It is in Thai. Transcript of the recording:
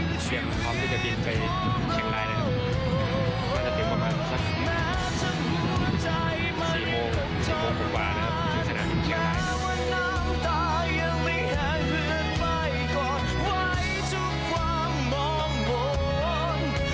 พึ่งเคลื่อนผู้นำเสียงความที่จะบินไปเชียงใน